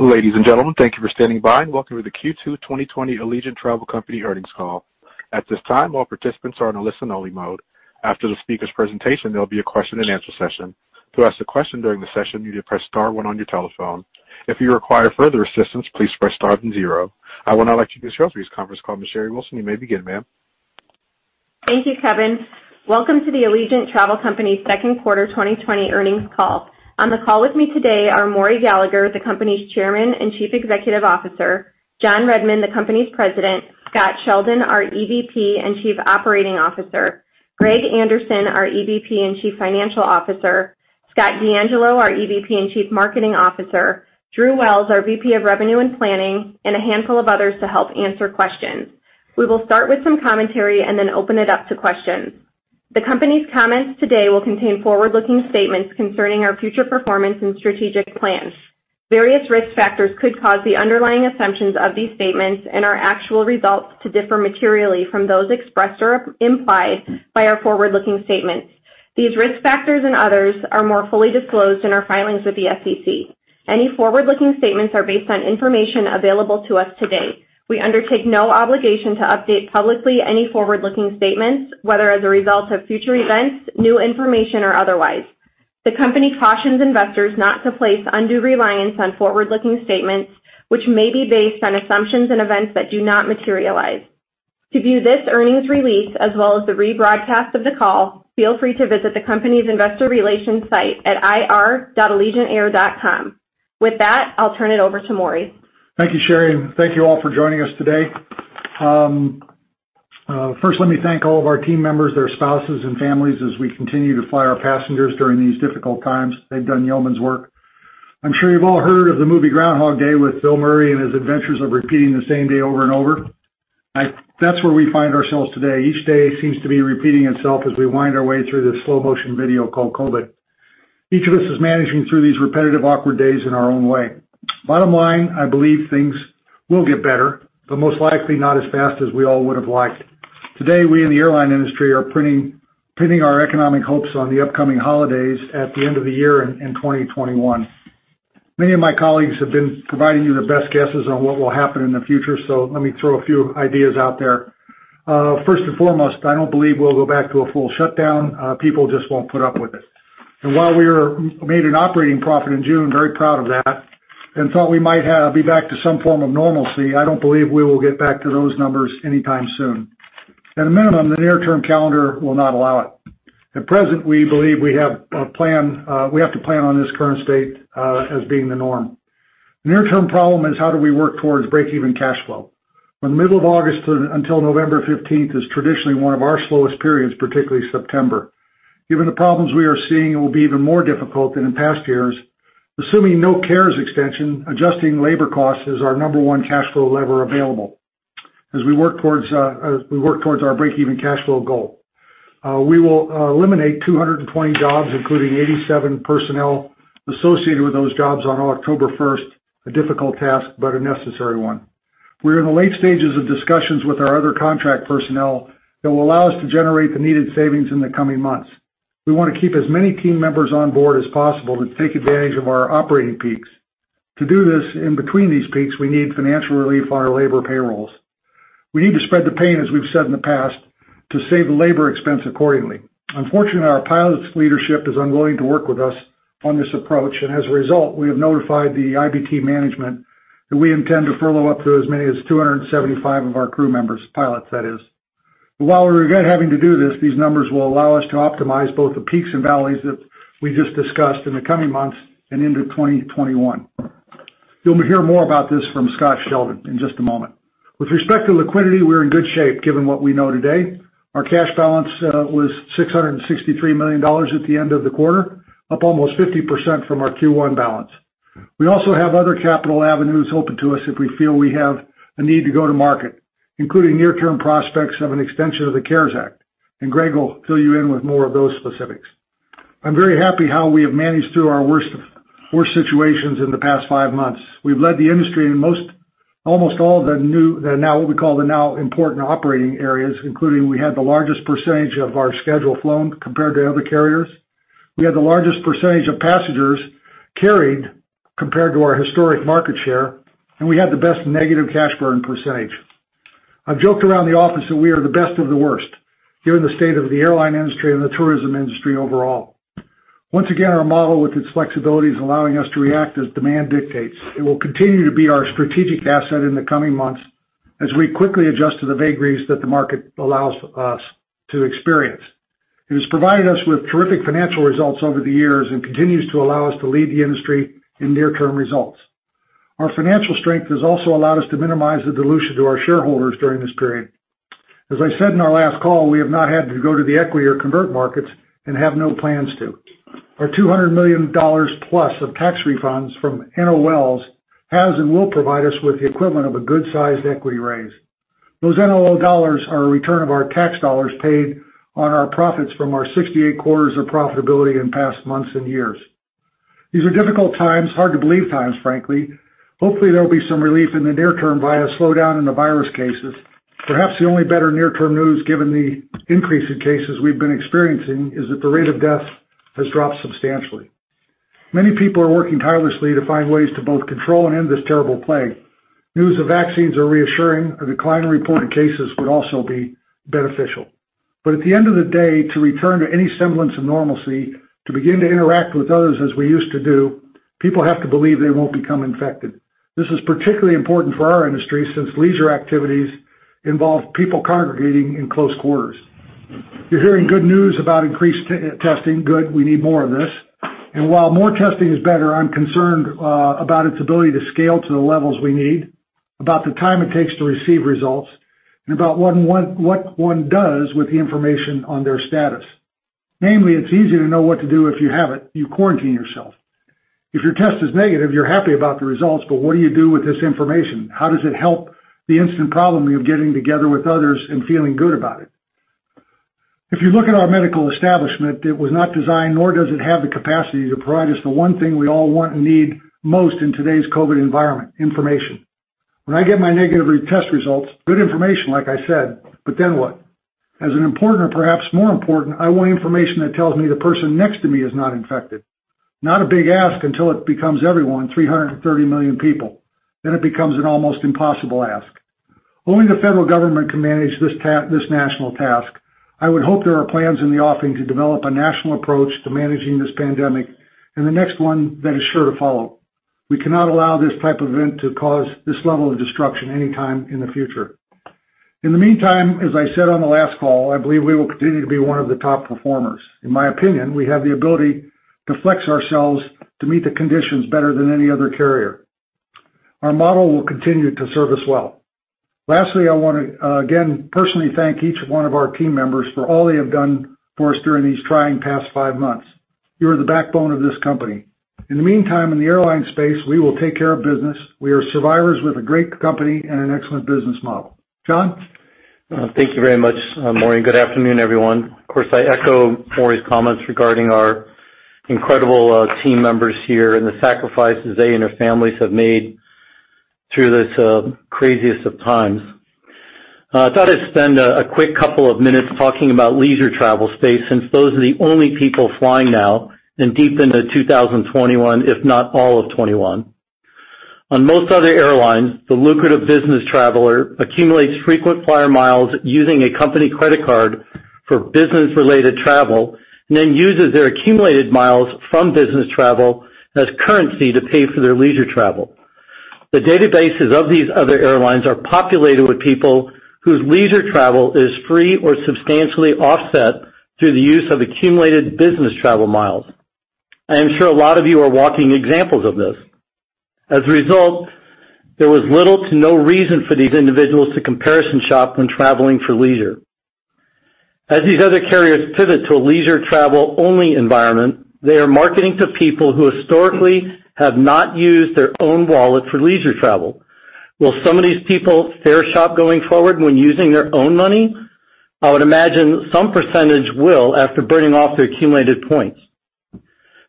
Ladies and gentlemen, thank you for standing by and welcome to the Q2 2020 Allegiant Travel Company earnings call. At this time, all participants are in a listen-only mode. After the speaker's presentation, there'll be a question-and-answer session. To ask a question during the session, you need to press star one on your telephone. If you require further assistance, please press star then zero. I will now like to introduce for this conference call, Ms. Sherry Wilson. You may begin, ma'am. Thank you, Kevin. Welcome to the Allegiant Travel Company second quarter 2020 earnings call. On the call with me today are Maury Gallagher, the company's Chairman and Chief Executive Officer, John Redmond, the company's President, Scott Sheldon, our EVP and Chief Operating Officer, Greg Anderson, our EVP and Chief Financial Officer, Scott DeAngelo, our EVP and Chief Marketing Officer, Drew Wells, our VP of Revenue and Planning, and a handful of others to help answer questions. We will start with some commentary and then open it up to questions. The company's comments today will contain forward-looking statements concerning our future performance and strategic plans. Various risk factors could cause the underlying assumptions of these statements and our actual results to differ materially from those expressed or implied by our forward-looking statements. These risk factors and others are more fully disclosed in our filings with the SEC. Any forward-looking statements are based on information available to us to date. We undertake no obligation to update publicly any forward-looking statements, whether as a result of future events, new information, or otherwise. The company cautions investors not to place undue reliance on forward-looking statements, which may be based on assumptions and events that do not materialize. To view this earnings release as well as the rebroadcast of the call, feel free to visit the company's investor relations site at ir.allegiantair.com. With that, I'll turn it over to Maury. Thank you, Sherry. Thank you all for joining us today. First, let me thank all of our team members, their spouses, and families as we continue to fly our passengers during these difficult times. They've done yeoman's work. I'm sure you've all heard of the movie "Groundhog Day" with Bill Murray and his adventures of repeating the same day over and over. That's where we find ourselves today. Each day seems to be repeating itself as we wind our way through this slow-motion video called COVID. Each of us is managing through these repetitive, awkward days in our own way. Bottom line, I believe things will get better, but most likely not as fast as we all would've liked. Today, we in the airline industry are pinning our economic hopes on the upcoming holidays at the end of the year in 2021. Many of my colleagues have been providing you their best guesses on what will happen in the future, so let me throw a few ideas out there. First and foremost, I don't believe we'll go back to a full shutdown. People just won't put up with it. While we made an operating profit in June, very proud of that, and thought we might be back to some form of normalcy, I don't believe we will get back to those numbers anytime soon. At a minimum, the near-term calendar will not allow it. At present, we believe we have to plan on this current state as being the norm. The near-term problem is how do we work towards breakeven cash flow? From the middle of August until November 15th is traditionally one of our slowest periods, particularly September. Given the problems we are seeing, it will be even more difficult than in past years. Assuming no CARES extension, adjusting labor costs is our number one cash flow lever available as we work towards our breakeven cash flow goal. We will eliminate 220 jobs, including 87 personnel associated with those jobs on October 1st, a difficult task, but a necessary one. We are in the late stages of discussions with our other contract personnel that will allow us to generate the needed savings in the coming months. We want to keep as many team members on board as possible to take advantage of our operating peaks. To do this in between these peaks, we need financial relief on our labor payrolls. We need to spread the pain, as we've said in the past, to save the labor expense accordingly. Unfortunately, our pilots' leadership is unwilling to work with us on this approach. As a result, we have notified the IBT management that we intend to furlough up to as many as 275 of our crew members, pilots that is. While we regret having to do this, these numbers will allow us to optimize both the peaks and valleys that we just discussed in the coming months and into 2021. You'll hear more about this from Scott Sheldon in just a moment. With respect to liquidity, we're in good shape given what we know today. Our cash balance was $663 million at the end of the quarter, up almost 50% from our Q1 balance. We also have other capital avenues open to us if we feel we have a need to go to market, including near-term prospects of an extension of the CARES Act, and Greg will fill you in with more of those specifics. I'm very happy how we have managed through our worst situations in the past five months. We've led the industry in almost all the now what we call the now important operating areas, including we had the largest percentage of our schedule flown compared to other carriers. We had the largest percentage of passengers carried compared to our historic market share, and we had the best negative cash burn percentage. I've joked around the office that we are the best of the worst, given the state of the airline industry and the tourism industry overall. Once again, our model with its flexibility is allowing us to react as demand dictates. It will continue to be our strategic asset in the coming months as we quickly adjust to the vagaries that the market allows us to experience. It has provided us with terrific financial results over the years and continues to allow us to lead the industry in near-term results. Our financial strength has also allowed us to minimize the dilution to our shareholders during this period. As I said in our last call, we have not had to go to the equity or convert markets and have no plans to. Our $200 million plus of tax refunds from NOLs has and will provide us with the equivalent of a good-sized equity raise. Those NOL dollars are a return of our tax dollars paid on our profits from our 68 quarters of profitability in past months and years. These are difficult times, hard-to-believe times, frankly. Hopefully, there will be some relief in the near term via a slowdown in the virus cases. Perhaps the only better near-term news, given the increase in cases we've been experiencing, is that the rate of death has dropped substantially. Many people are working tirelessly to find ways to both control and end this terrible plague. News of vaccines are reassuring. A decline in reported cases would also be beneficial. At the end of the day, to return to any semblance of normalcy, to begin to interact with others as we used to do, people have to believe they won't become infected. This is particularly important for our industry, since leisure activities involve people congregating in close quarters. You're hearing good news about increased testing. Good. We need more of this. While more testing is better, I'm concerned about its ability to scale to the levels we need, about the time it takes to receive results, and about what one does with the information on their status. Namely, it's easy to know what to do if you have it, you quarantine yourself. If your test is negative, you're happy about the results, but what do you do with this information? How does it help the instant problem of getting together with others and feeling good about it? If you look at our medical establishment, it was not designed nor does it have the capacity to provide us the one thing we all want and need most in today's COVID environment, information. When I get my negative test results, good information, like I said, but then what? As an important or perhaps more important, I want information that tells me the person next to me is not infected. Not a big ask until it becomes everyone, 330 million people. Then it becomes an almost impossible ask. Only the federal government can manage this national task. I would hope there are plans in the offing to develop a national approach to managing this pandemic and the next one that is sure to follow. We cannot allow this type of event to cause this level of destruction anytime in the future. In the meantime, as I said on the last call, I believe we will continue to be one of the top performers. In my opinion, we have the ability to flex ourselves to meet the conditions better than any other carrier. Our model will continue to serve us well. Lastly, I want to again personally thank each one of our team members for all they have done for us during these trying past five months. You are the backbone of this company. In the meantime, in the airline space, we will take care of business. We are survivors with a great company and an excellent business model. John? Thank you very much, Maury. Good afternoon, everyone. Of course, I echo Maury's comments regarding our incredible team members here and the sacrifices they and their families have made through this craziest of times. I thought I'd spend a quick couple of minutes talking about leisure travel space, since those are the only people flying now and deep into 2021, if not all of 2021. On most other airlines, the lucrative business traveler accumulates frequent flyer miles using a company credit card for business-related travel and then uses their accumulated miles from business travel as currency to pay for their leisure travel. The databases of these other airlines are populated with people whose leisure travel is free or substantially offset through the use of accumulated business travel miles. I am sure a lot of you are walking examples of this. As a result, there was little to no reason for these individuals to comparison shop when traveling for leisure. As these other carriers pivot to a leisure travel only environment, they are marketing to people who historically have not used their own wallet for leisure travel. Will some of these people fare shop going forward when using their own money? I would imagine some percentage will after burning off their accumulated points.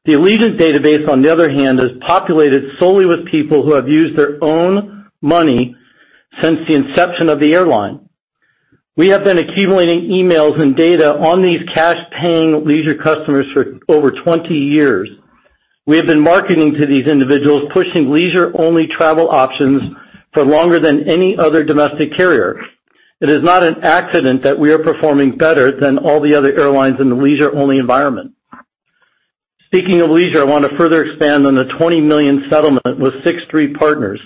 The Allegiant database, on the other hand, is populated solely with people who have used their own money since the inception of the airline. We have been accumulating emails and data on these cash-paying leisure customers for over 20 years. We have been marketing to these individuals, pushing leisure-only travel options for longer than any other domestic carrier. It is not an accident that we are performing better than all the other airlines in the leisure-only environment. Speaking of leisure, I want to further expand on the $20 million settlement with Sixth Street Partners.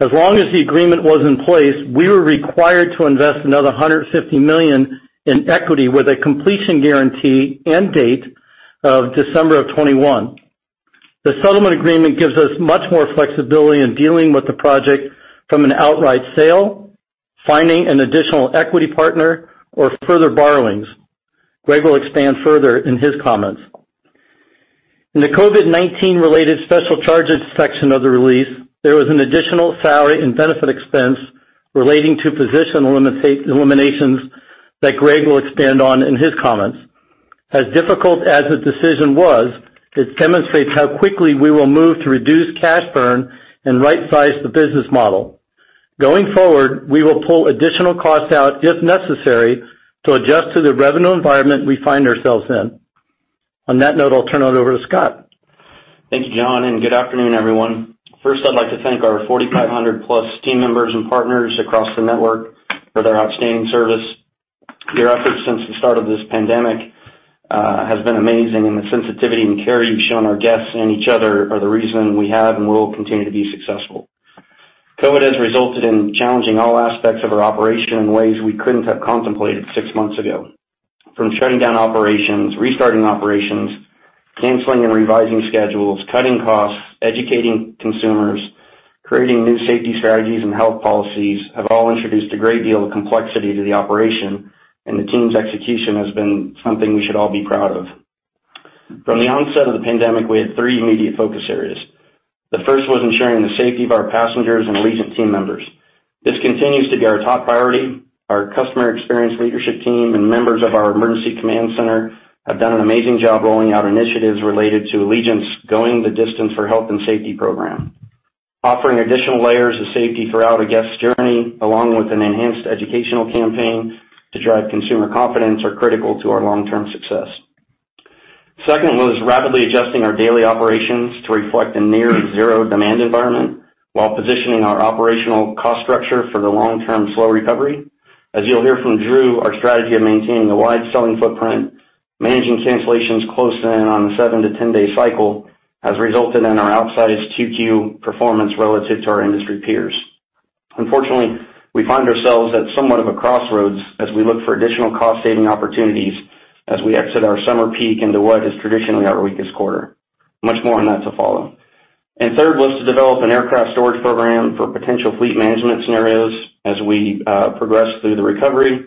As long as the agreement was in place, we were required to invest another $150 million in equity with a completion guarantee end date of December of 2021. The settlement agreement gives us much more flexibility in dealing with the project from an outright sale, finding an additional equity partner, or further borrowings. Greg will expand further in his comments. In the COVID-19 related special charges section of the release, there was an additional salary and benefit expense relating to position eliminations that Greg will expand on in his comments. As difficult as the decision was, it demonstrates how quickly we will move to reduce cash burn and right-size the business model. Going forward, we will pull additional costs out if necessary to adjust to the revenue environment we find ourselves in. On that note, I'll turn it over to Scott. Thank you, John, and good afternoon, everyone. First, I'd like to thank our 4,500+ team members and partners across the network for their outstanding service. Your efforts since the start of this pandemic has been amazing and the sensitivity and care you've shown our guests and each other are the reason we have and will continue to be successful. COVID has resulted in challenging all aspects of our operation in ways we couldn't have contemplated six months ago. From shutting down operations, restarting operations, canceling and revising schedules, cutting costs, educating consumers, creating new safety strategies and health policies have all introduced a great deal of complexity to the operation and the team's execution has been something we should all be proud of. From the onset of the pandemic, we had three immediate focus areas. The first was ensuring the safety of our passengers and Allegiant team members. This continues to be our top priority. Our customer experience leadership team and members of our emergency command center have done an amazing job rolling out initiatives related to Allegiant's Going the Distance for Health and Safety program. Offering additional layers of safety throughout a guest's journey, along with an enhanced educational campaign to drive consumer confidence are critical to our long-term success. Second was rapidly adjusting our daily operations to reflect a near zero demand environment while positioning our operational cost structure for the long-term slow recovery. As you'll hear from Drew, our strategy of maintaining a wide selling footprint, managing cancellations close in on a seven-to-10 day cycle, has resulted in our outsized Q2 performance relative to our industry peers. Unfortunately, we find ourselves at somewhat of a crossroads as we look for additional cost-saving opportunities as we exit our summer peak into what is traditionally our weakest quarter. Much more on that to follow. Third was to develop an aircraft storage program for potential fleet management scenarios as we progress through the recovery.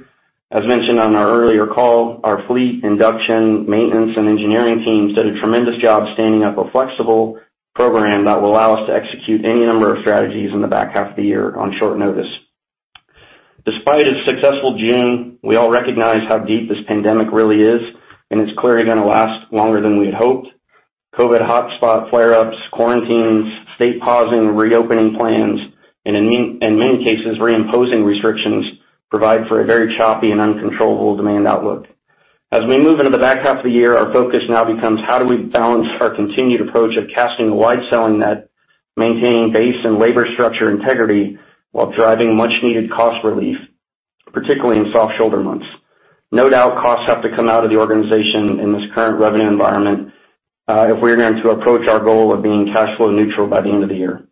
As mentioned on our earlier call, our fleet induction, maintenance, and engineering team did a tremendous job standing up a flexible program that will allow us to execute any number of strategies in the back half of the year on short notice. Despite a successful June, we all recognize how deep this pandemic really is, and it's clearly going to last longer than we had hoped. COVID hotspot flare-ups, quarantines, state pausing, reopening plans, and in many cases, reimposing restrictions provide for a very choppy and uncontrollable demand outlook. As we move into the back half of the year, our focus now becomes how do we balance our continued approach of casting a wide selling net, maintaining base and labor structure integrity while driving much-needed cost relief, particularly in soft shoulder months. No doubt, costs have to come out of the organization in this current revenue environment, if we are going to approach our goal of being cash flow neutral by the end of the year.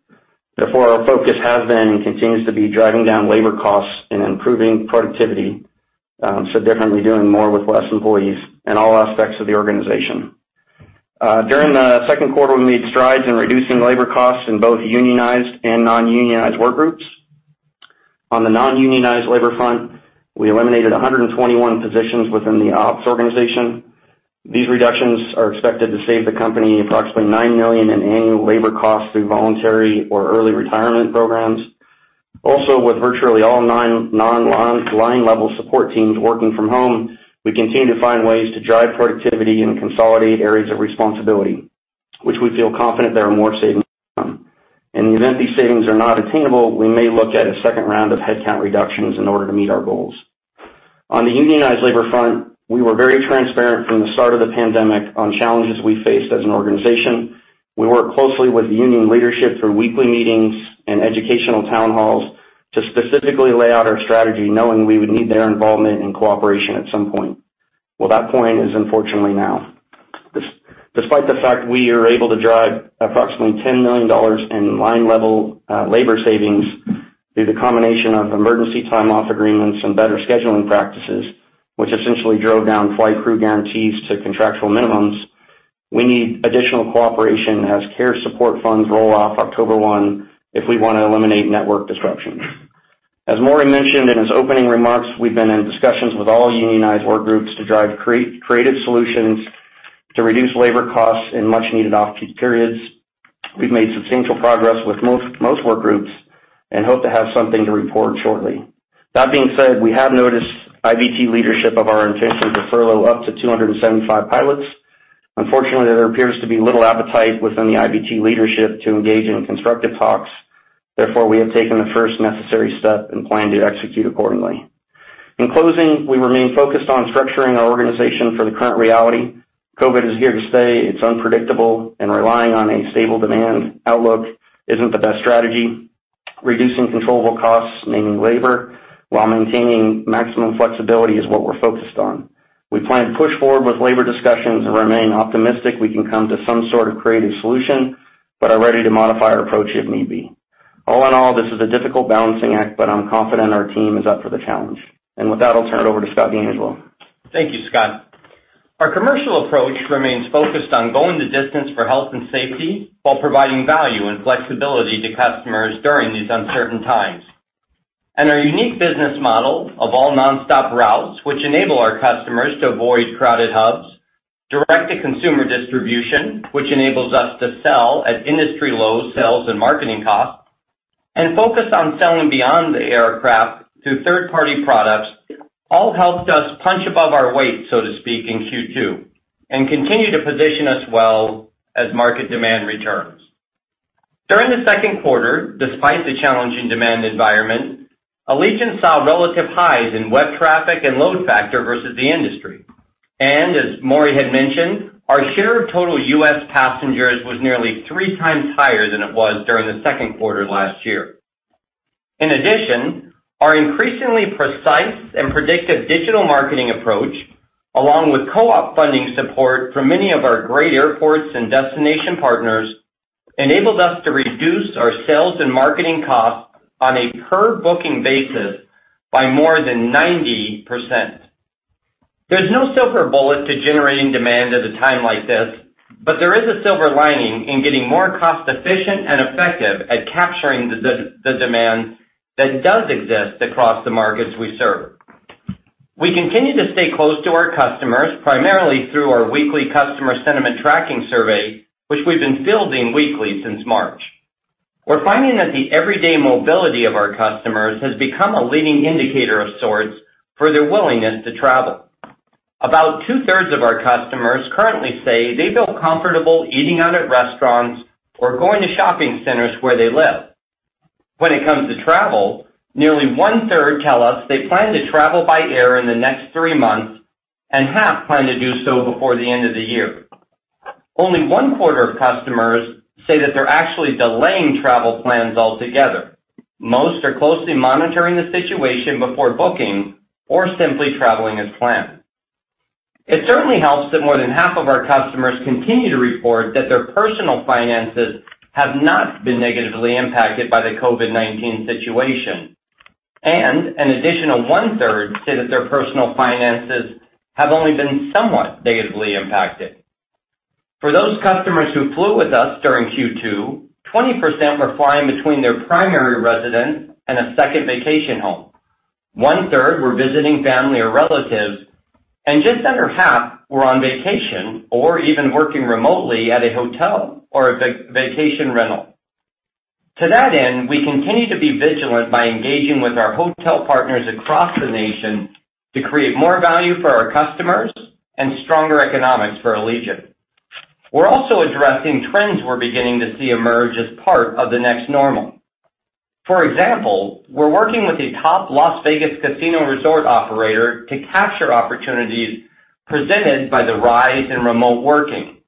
Therefore, our focus has been and continues to be driving down labor costs and improving productivity. Definitely doing more with less employees in all aspects of the organization. During the second quarter, we made strides in reducing labor costs in both unionized and non-unionized work groups. On the non-unionized labor front, we eliminated 121 positions within the ops organization. These reductions are expected to save the company approximately $9 million in annual labor costs through voluntary or early retirement programs. Also, with virtually all nine non-line level support teams working from home, we continue to find ways to drive productivity and consolidate areas of responsibility, which we feel confident there are more savings to come. In the event these savings are not attainable, we may look at a second round of headcount reductions in order to meet our goals. On the unionized labor front, we were very transparent from the start of the pandemic on challenges we faced as an organization. We worked closely with union leadership through weekly meetings and educational town halls to specifically lay out our strategy, knowing we would need their involvement and cooperation at some point. Well, that point is unfortunately now. Despite the fact we are able to drive approximately $10 million in line level labor savings through the combination of emergency time-off agreements and better scheduling practices, which essentially drove down flight crew guarantees to contractual minimums, we need additional cooperation as CARES Act support funds roll off October 1 if we want to eliminate network disruptions. As Maury mentioned in his opening remarks, we've been in discussions with all unionized work groups to drive creative solutions to reduce labor costs in much-needed off-peak periods. We've made substantial progress with most work groups and hope to have something to report shortly. That being said, we have noticed IBT leadership of our intention to furlough up to 275 pilots. Unfortunately, there appears to be little appetite within the IBT leadership to engage in constructive talks. We have taken the first necessary step and plan to execute accordingly. In closing, we remain focused on structuring our organization for the current reality. COVID is here to stay. It's unpredictable and relying on a stable demand outlook isn't the best strategy. Reducing controllable costs, meaning labor, while maintaining maximum flexibility is what we're focused on. We plan to push forward with labor discussions and remain optimistic we can come to some sort of creative solution, but are ready to modify our approach if need be. All in all, this is a difficult balancing act, but I'm confident our team is up for the challenge. With that, I'll turn it over to Scott DeAngelo. Thank you, Scott. Our commercial approach remains focused on Going the Distance for Health and Safety while providing value and flexibility to customers during these uncertain times. Our unique business model of all non-stop routes, which enable our customers to avoid crowded hubs, direct-to-consumer distribution, which enables us to sell at industry-low sales and marketing costs, and focus on selling beyond the aircraft through third-party products, all helped us punch above our weight, so to speak, in Q2, and continue to position us well as market demand returns. During the second quarter, despite the challenging demand environment, Allegiant saw relative highs in web traffic and load factor versus the industry. As Maury had mentioned, our share of total U.S. passengers was nearly 3x higher than it was during the second quarter last year. In addition, our increasingly precise and predictive digital marketing approach, along with co-op funding support from many of our great airports and destination partners, enabled us to reduce our sales and marketing costs on a per-booking basis by more than 90%. There's no silver bullet to generating demand at a time like this, but there is a silver lining in getting more cost-efficient and effective at capturing the demand that does exist across the markets we serve. We continue to stay close to our customers, primarily through our weekly customer sentiment tracking survey, which we've been fielding weekly since March. We're finding that the everyday mobility of our customers has become a leading indicator of sorts for their willingness to travel. About two-thirds of our customers currently say they feel comfortable eating out at restaurants or going to shopping centers where they live. When it comes to travel, nearly one-third tell us they plan to travel by air in the next three months, and half plan to do so before the end of the year. Only 1/4 of customers say that they're actually delaying travel plans altogether. Most are closely monitoring the situation before booking or simply traveling as planned. It certainly helps that more than half of our customers continue to report that their personal finances have not been negatively impacted by the COVID-19 situation, and an additional one-third say that their personal finances have only been somewhat negatively impacted. For those customers who flew with us during Q2, 20% were flying between their primary residence and a second vacation home. One-third were visiting family or relatives, and just under half were on vacation or even working remotely at a hotel or a vacation rental. To that end, we continue to be vigilant by engaging with our hotel partners across the nation to create more value for our customers and stronger economics for Allegiant. We're also addressing trends we're beginning to see emerge as part of the next normal. For example, we're working with a top Las Vegas casino resort operator to capture opportunities presented by the rise in remote working.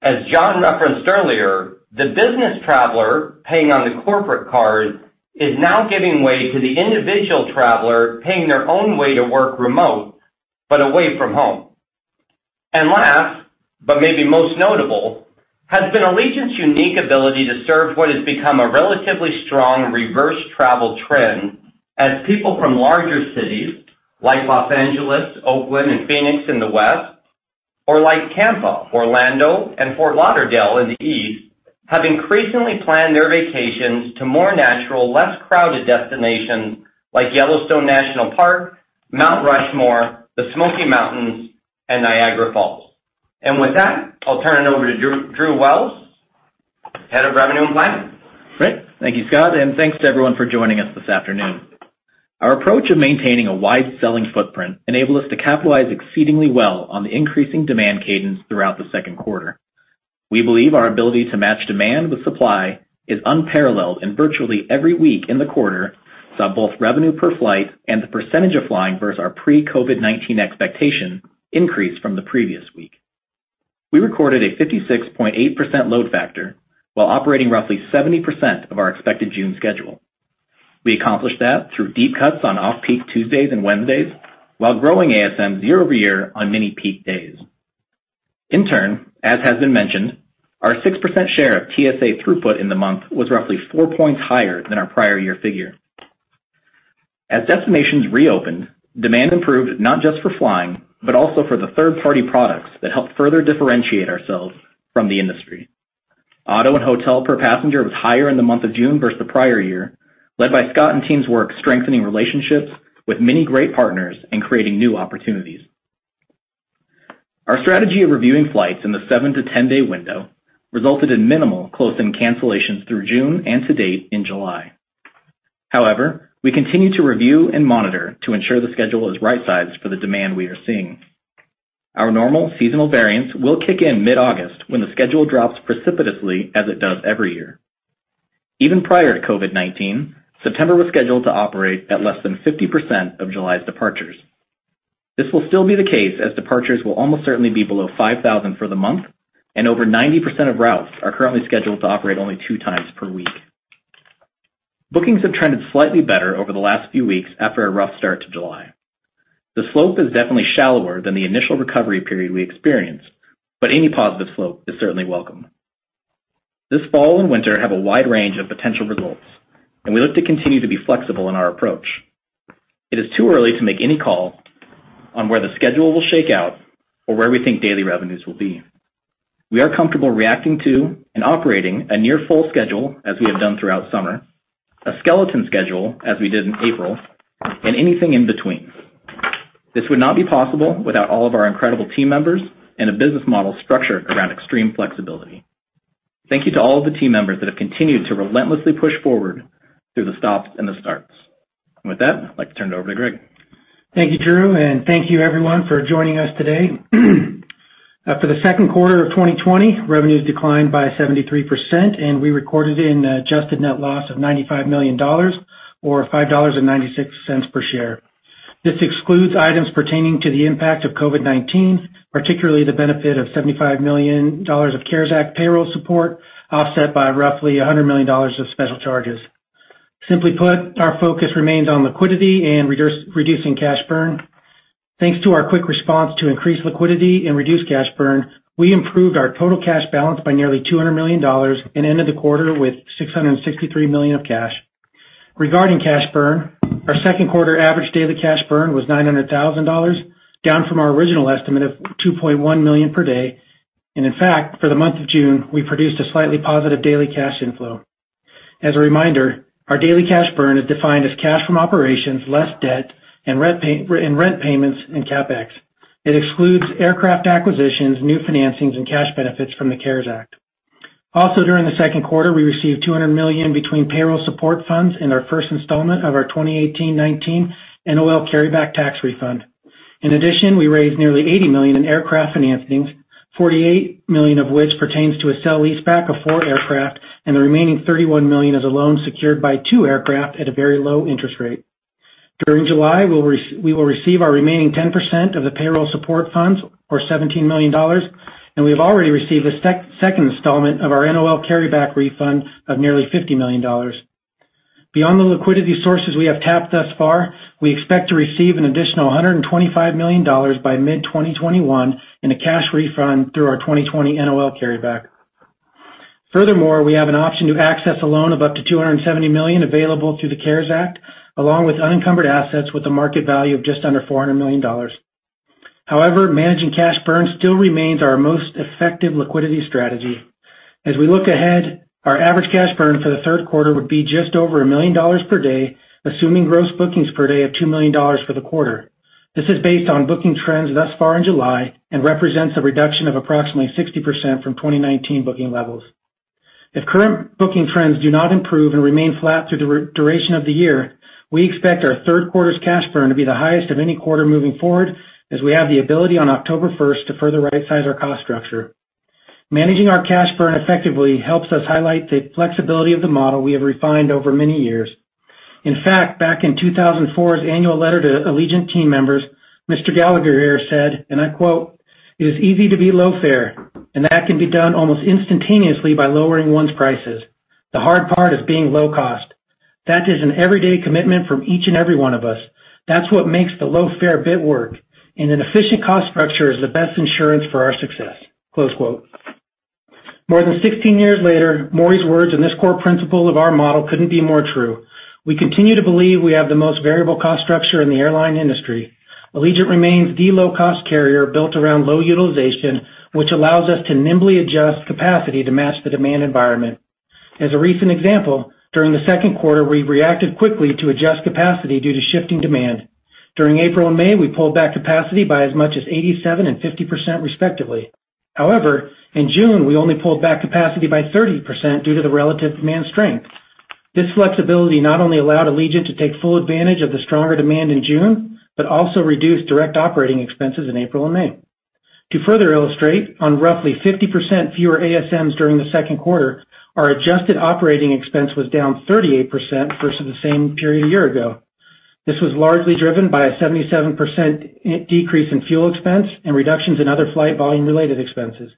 As John referenced earlier, the business traveler paying on the corporate card is now giving way to the individual traveler paying their own way to work remote, but away from home. Last, but maybe most notable, has been Allegiant's unique ability to serve what has become a relatively strong reverse travel trend as people from larger cities like Los Angeles, Oakland, and Phoenix in the West or like Tampa, o, and Fort Lauderdale in the East have increasingly planned their vacations to more natural, less crowded destinations like Yellowstone National Park, Mount Rushmore, the Smoky Mountains, and Niagara Falls. With that, I'll turn it over to Drew Wells, Head of Revenue and Planning. Great. Thank you, Scott, and thanks to everyone for joining us this afternoon. Our approach of maintaining a wide selling footprint enabled us to capitalize exceedingly well on the increasing demand cadence throughout the second quarter. We believe our ability to match demand with supply is unparalleled in virtually every week in the quarter, saw both revenue per flight and the percentage of flying versus our pre-COVID-19 expectation increase from the previous week. We recorded a 56.8% load factor while operating roughly 70% of our expected June schedule. We accomplished that through deep cuts on off-peak Tuesdays and Wednesdays while growing ASM year-over-year on many peak days. As has been mentioned, our 6% share of TSA throughput in the month was roughly four points higher than our prior year figure. As destinations reopened, demand improved not just for flying, but also for the third-party products that helped further differentiate ourselves from the industry. Auto and hotel per passenger was higher in the month of June versus the prior year, led by Scott and team's work strengthening relationships with many great partners in creating new opportunities. Our strategy of reviewing flights in the seven to 10-day window resulted in minimal closed and cancellations through June and to date in July. We continue to review and monitor to ensure the schedule is right-sized for the demand we are seeing. Our normal seasonal variance will kick in mid-August when the schedule drops precipitously as it does every year. Even prior to COVID-19, September was scheduled to operate at less than 50% of July's departures. This will still be the case as departures will almost certainly be below 5,000 for the month, and over 90% of routes are currently scheduled to operate only two times per week. Bookings have trended slightly better over the last few weeks after a rough start to July. The slope is definitely shallower than the initial recovery period we experienced, but any positive slope is certainly welcome. This fall and winter have a wide range of potential results, and we look to continue to be flexible in our approach. It is too early to make any call on where the schedule will shake out or where we think daily revenues will be. We are comfortable reacting to and operating a near full schedule as we have done throughout summer, a skeleton schedule as we did in April, and anything in between. This would not be possible without all of our incredible team members and a business model structured around extreme flexibility. Thank you to all of the team members that have continued to relentlessly push forward through the stops and the starts. With that, I'd like to turn it over to Greg. Thank you, Drew, and thank you everyone for joining us today. For the second quarter of 2020, revenues declined by 73% and we recorded an adjusted net loss of $95 million or $5.96 per share. This excludes items pertaining to the impact of COVID-19, particularly the benefit of $75 million of CARES Act payroll support, offset by roughly $100 million of special charges. Simply put, our focus remains on liquidity and reducing cash burn. Thanks to our quick response to increase liquidity and reduce cash burn, we improved our total cash balance by nearly $200 million and ended the quarter with $663 million of cash. Regarding cash burn, our second quarter average daily cash burn was $900,000, down from our original estimate of $2.1 million per day. In fact, for the month of June, we produced a slightly positive daily cash inflow. As a reminder, our daily cash burn is defined as cash from operations, less debt and rent payments and CapEx. It excludes aircraft acquisitions, new financings, and cash benefits from the CARES Act. During the second quarter, we received $200 million between payroll support funds and our first installment of our 2018-2019 NOL carryback tax refund. We raised nearly $80 million in aircraft financings, $48 million of which pertains to a sale-leaseback of four aircraft, and the remaining $31 million is a loan secured by two aircraft at a very low interest rate. During July, we will receive our remaining 10% of the payroll support funds, or $17 million, and we have already received the second installment of our NOL carryback refund of nearly $50 million. Beyond the liquidity sources we have tapped thus far, we expect to receive an additional $125 million by mid-2021 in a cash refund through our 2020 NOL carryback. Furthermore, we have an option to access a loan of up to $270 million available through the CARES Act, along with unencumbered assets with a market value of just under $400 million. However, managing cash burn still remains our most effective liquidity strategy. As we look ahead, our average cash burn for the third quarter would be just over $1 million per day, assuming gross bookings per day of $2 million for the quarter. This is based on booking trends thus far in July and represents a reduction of approximately 60% from 2019 booking levels. If current booking trends do not improve and remain flat through the duration of the year, we expect our third quarter's cash burn to be the highest of any quarter moving forward, as we have the ability on October 1st to further right-size our cost structure. Managing our cash burn effectively helps us highlight the flexibility of the model we have refined over many years. In fact, back in 2004's annual letter to Allegiant team members, Mr. Gallagher here said, and I quote, "It is easy to be low fare, and that can be done almost instantaneously by lowering one's prices. The hard part is being low cost. That is an everyday commitment from each and every one of us. That's what makes the low-fare bit work, and an efficient cost structure is the best insurance for our success." Close quote. More than 16 years later, Maury's words and this core principle of our model couldn't be more true. We continue to believe we have the most variable cost structure in the airline industry. Allegiant remains the low-cost carrier built around low utilization, which allows us to nimbly adjust capacity to match the demand environment. As a recent example, during the second quarter, we reacted quickly to adjust capacity due to shifting demand. During April and May, we pulled back capacity by as much as 87% and 50%, respectively. However, in June, we only pulled back capacity by 30% due to the relative demand strength. This flexibility not only allowed Allegiant to take full advantage of the stronger demand in June, but also reduced direct operating expenses in April and May. To further illustrate, on roughly 50% fewer ASMs during the second quarter, our adjusted operating expense was down 38% versus the same period a year ago. This was largely driven by a 77% decrease in fuel expense and reductions in other flight volume-related expenses.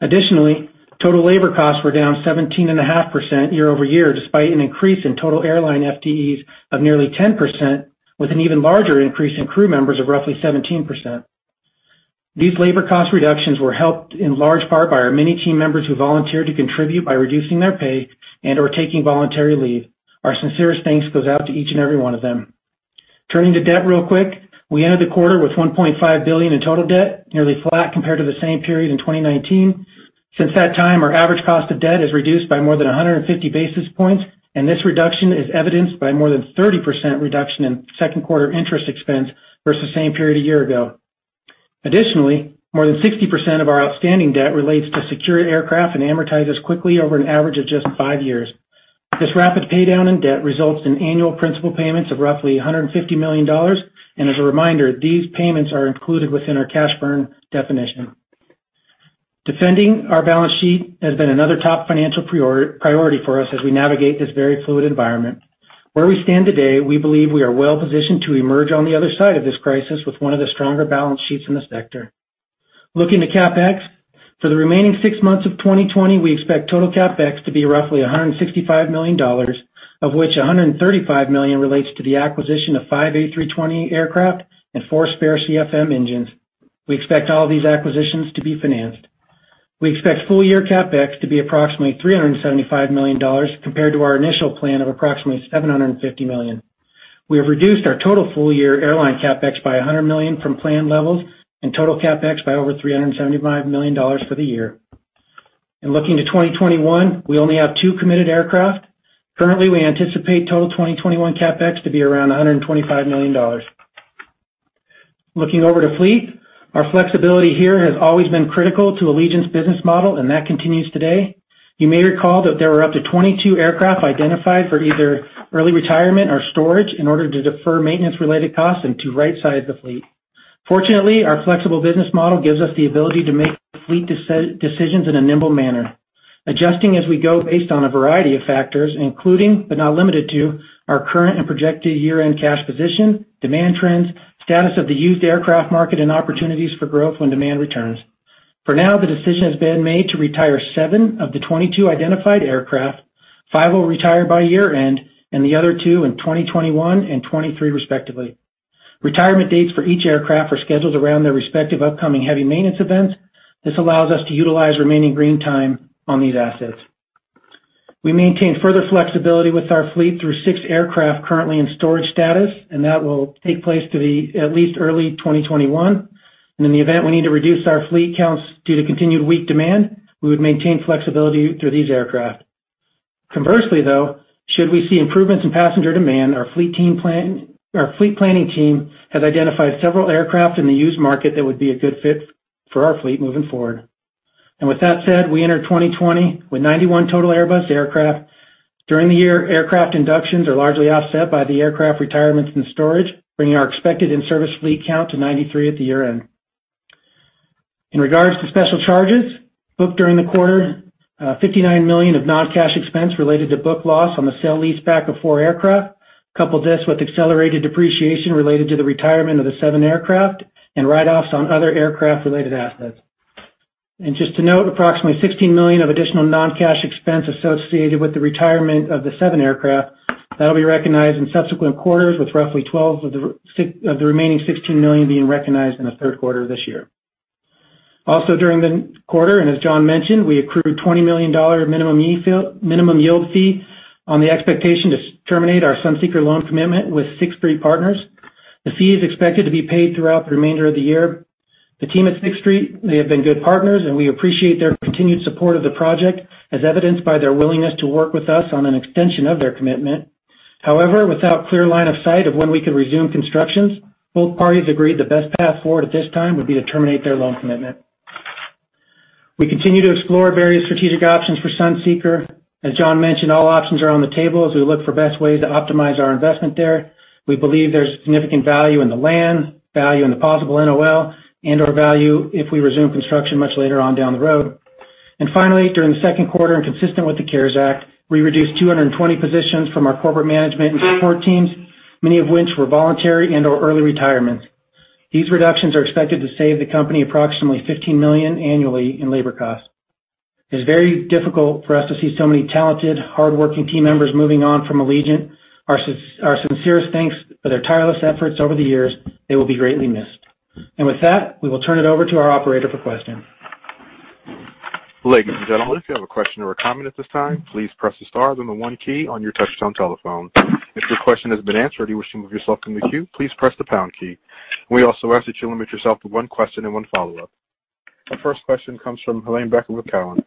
Additionally, total labor costs were down 17.5% year-over-year, despite an increase in total airline FTEs of nearly 10%, with an even larger increase in crew members of roughly 17%. These labor cost reductions were helped in large part by our many team members who volunteered to contribute by reducing their pay and/or taking voluntary leave. Our sincerest thanks goes out to each and every one of them. Turning to debt real quick, we ended the quarter with $1.5 billion in total debt, nearly flat compared to the same period in 2019. Since that time, our average cost of debt has reduced by more than 150 basis points, and this reduction is evidenced by more than 30% reduction in second quarter interest expense versus the same period a year ago. Additionally, more than 60% of our outstanding debt relates to secured aircraft and amortizes quickly over an average of just five years. This rapid paydown in debt results in annual principal payments of roughly $150 million. As a reminder, these payments are included within our cash burn definition. Defending our balance sheet has been another top financial priority for us as we navigate this very fluid environment. Where we stand today, we believe we are well-positioned to emerge on the other side of this crisis with one of the stronger balance sheets in the sector. Looking to CapEx, for the remaining six months of 2020, we expect total CapEx to be roughly $165 million, of which $135 million relates to the acquisition of five A320 aircraft and four spare CFM engines. We expect all these acquisitions to be financed. We expect full-year CapEx to be approximately $375 million compared to our initial plan of approximately $750 million. We have reduced our total full-year airline CapEx by $100 million from plan levels and total CapEx by over $375 million for the year. Looking to 2021, we only have two committed aircraft. Currently, we anticipate total 2021 CapEx to be around $125 million. Looking over to fleet, our flexibility here has always been critical to Allegiant's business model, and that continues today. You may recall that there were up to 22 aircraft identified for either early retirement or storage in order to defer maintenance-related costs and to right-size the fleet. Fortunately, our flexible business model gives us the ability to make fleet decisions in a nimble manner, adjusting as we go based on a variety of factors, including, but not limited to, our current and projected year-end cash position, demand trends, status of the used aircraft market, and opportunities for growth when demand returns. For now, the decision has been made to retire seven of the 22 identified aircraft. Five will retire by year-end and the other two in 2021 and 2023, respectively. Retirement dates for each aircraft are scheduled around their respective upcoming heavy maintenance events. This allows us to utilize remaining green time on these assets. We maintain further flexibility with our fleet through 6 aircraft currently in storage status, that will take place to at least early 2021. In the event we need to reduce our fleet counts due to continued weak demand, we would maintain flexibility through these aircraft. Conversely though, should we see improvements in passenger demand, our fleet planning team has identified several aircraft in the used market that would be a good fit for our fleet moving forward. With that said, we entered 2020 with 91 total Airbus aircraft. During the year, aircraft inductions are largely offset by the aircraft retirements and storage, bringing our expected in-service fleet count to 93 at the year-end. In regards to special charges, booked during the quarter, $59 million of non-cash expense related to book loss on the sale-leaseback of four aircraft. Couple this with accelerated depreciation related to the retirement of the seven aircraft and write-offs on other aircraft-related assets. Just to note, approximately $16 million of additional non-cash expense associated with the retirement of the seven aircraft, that'll be recognized in subsequent quarters with roughly $12 million of the remaining $16 million being recognized in the third quarter of this year. Also during the quarter, as John mentioned, we accrued a $20 million minimum yield fee on the expectation to terminate our Sunseeker loan commitment with Sixth Street Partners. The fee is expected to be paid throughout the remainder of the year. The team at Sixth Street, they have been good partners, we appreciate their continued support of the project, as evidenced by their willingness to work with us on an extension of their commitment. Without clear line of sight of when we could resume constructions, both parties agreed the best path forward at this time would be to terminate their loan commitment. We continue to explore various strategic options for Sunseeker. As John mentioned, all options are on the table as we look for the best ways to optimize our investment there. We believe there's significant value in the land, value in the possible NOL, and/or value if we resume construction much later on down the road. Finally, during the second quarter, and consistent with the CARES Act, we reduced 220 positions from our corporate management and support teams, many of which were voluntary and/or early retirements. These reductions are expected to save the company approximately $15 million annually in labor costs. It's very difficult for us to see so many talented, hardworking team members moving on from Allegiant. Our sincerest thanks for their tireless efforts over the years. They will be greatly missed. With that, we will turn it over to our operator for questions. Ladies and gentlemen, if you have a question or a comment at this time, please press the star then the one key on your touchtone telephone. If your question has been answered and you wish to move yourself in the queue, please press the pound key. We also ask that you limit yourself to one question and one follow-up. Our first question comes from Helane Becker with Cowen.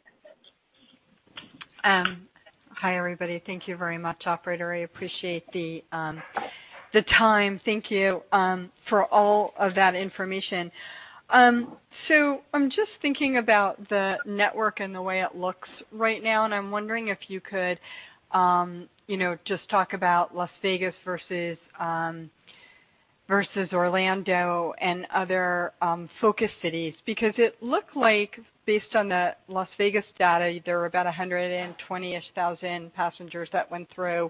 Hi, everybody. Thank you very much, operator. I appreciate the time. Thank you for all of that information. I'm just thinking about the network and the way it looks right now, and I'm wondering if you could just talk about Las Vegas versus o and other focus cities, because it looked like based on the Las Vegas data, there were about 120-ish thousand passengers that went through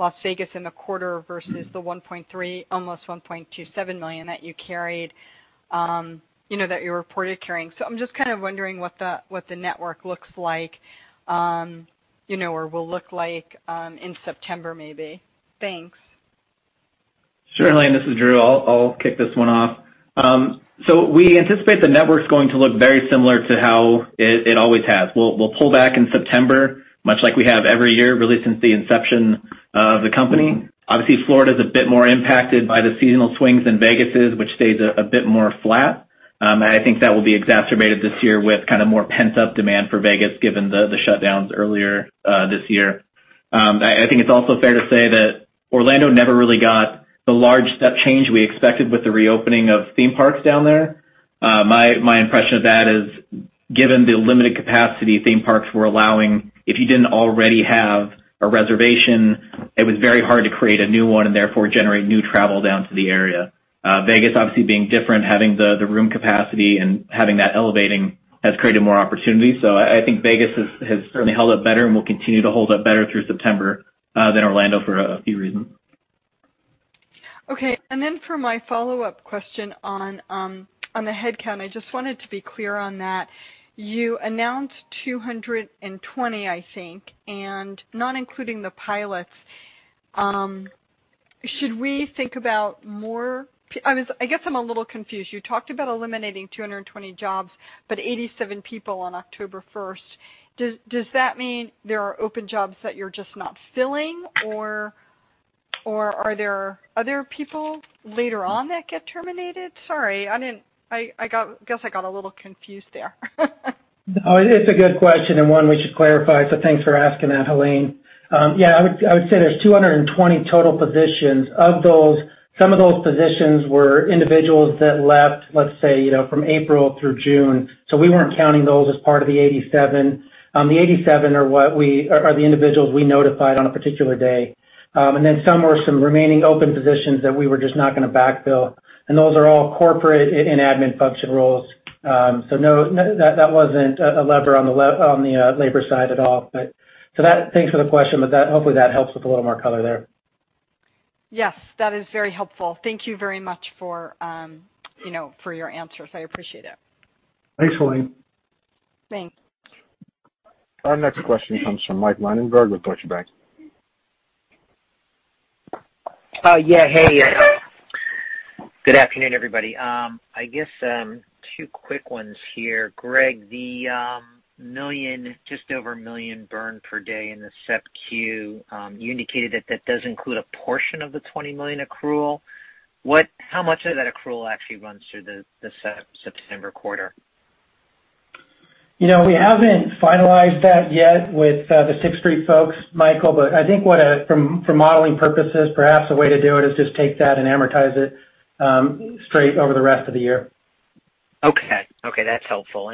Las Vegas in the quarter versus the 1.3, almost 1.27 million that you reported carrying. I'm just kind of wondering what the network looks like, or will look like in September maybe. Thanks. Sure, Helane, this is Drew. I'll kick this one off. We anticipate the network's going to look very similar to how it always has. We'll pull back in September, much like we have every year, really since the inception of the company. Obviously, Florida's a bit more impacted by the seasonal swings than Vegas is, which stays a bit more flat. I think that will be exacerbated this year with more pent-up demand for Vegas given the shutdowns earlier this year. I think it's also fair to say that Orlando never really got the large step change we expected with the reopening of theme parks down there. My impression of that is, given the limited capacity theme parks were allowing, if you didn't already have a reservation, it was very hard to create a new one and therefore generate new travel down to the area. Vegas obviously being different, having the room capacity and having that elevating has created more opportunities. I think Vegas has certainly held up better and will continue to hold up better through September than Orlando for a few reasons. For my follow-up question on the headcount, I just wanted to be clear on that. You announced 220, not including the pilots. Should we think about more? I guess I'm a little confused. You talked about eliminating 220 jobs, 87 people on October 1st. Does that mean there are open jobs that you're just not filling, or are there other people later on that get terminated? Sorry, I guess I got a little confused there. Oh, it's a good question and one we should clarify. Thanks for asking that, Helane. Yeah, I would say there's 220 total positions. Of those, some of those positions were individuals that left, let's say, from April through June. We weren't counting those as part of the 87. The 87 are the individuals we notified on a particular day. Some were remaining open positions that we were just not going to backfill, and those are all corporate and admin function roles. No, that wasn't a lever on the labor side at all. Thanks for the question. Hopefully that helps with a little more color there. Yes. That is very helpful. Thank you very much for your answers. I appreciate it. Thanks, Helane. Thanks. Our next question comes from Mike Linenberg with Deutsche Bank. Yeah. Hey. Good afternoon, everybody. I guess two quick ones here. Greg, the just over $1 million burn per day in the Sep Q, you indicated that that does include a portion of the $20 million accrual. How much of that accrual actually runs through the September quarter? We haven't finalized that yet with the Sixth Street folks, Michael, but I think from modeling purposes, perhaps a way to do it is just take that and amortize it straight over the rest of the year. Okay. That's helpful.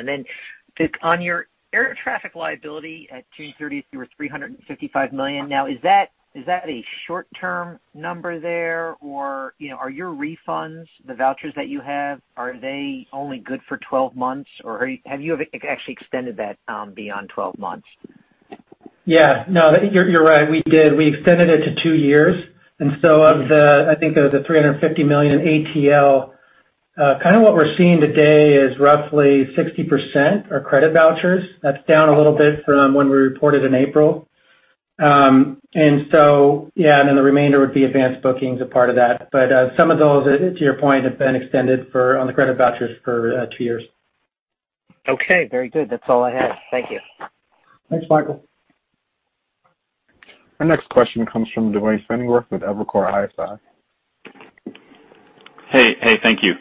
On your air traffic liability at June 30th, you were $355 million. Is that a short-term number there, or are your refunds, the vouchers that you have, are they only good for 12 months, or have you ever actually extended that beyond 12 months? Yeah. No, you're right. We did. We extended it to two years. Of the, I think of the $350 million ATL, kind of what we're seeing today is roughly 60% are credit vouchers. That's down a little bit from when we reported in April. Yeah, and then the remainder would be advanced bookings a part of that. Some of those, to your point, have been extended on the credit vouchers for two years. Okay. Very good. That's all I had. Thank you. Thanks, Michael. Our next question comes from Duane Pfennigwerth with Evercore ISI. Hey. Thank you.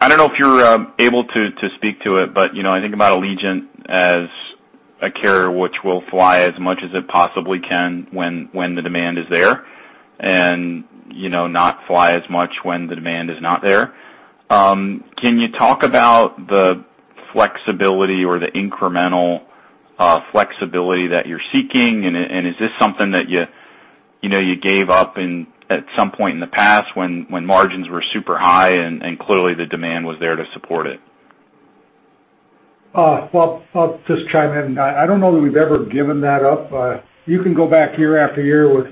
I don't know if you're able to speak to it, but I think about Allegiant as a carrier which will fly as much as it possibly can when the demand is there and not fly as much when the demand is not there. Can you talk about the flexibility or the incremental flexibility that you're seeking? Is this something that you gave up at some point in the past when margins were super high and clearly the demand was there to support it? Well, I'll just chime in. I don't know that we've ever given that up. You can go back year after year with